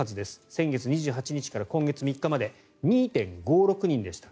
先月２８日から今月３日まで２．５６人でした。